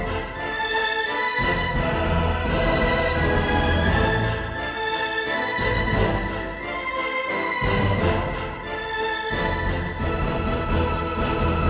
aku datang dari barat